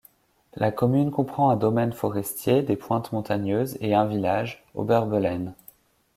La commune comprend un domaine forestier, des pointes montagneuses et un village, Oberböllen.